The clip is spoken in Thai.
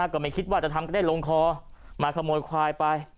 ก็ไม่คิดว่าจะทำก็ได้ลงคอมาขโมยควายไป